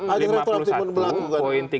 aja saya teraktif pun berlaku kan